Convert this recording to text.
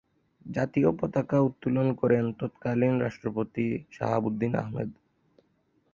জাতীয় পতাকা উত্তোলন করেন তৎকালীন রাষ্ট্রপতি শাহাবুদ্দিন আহমেদ।